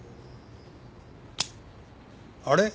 あれ？